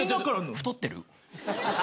太ってる。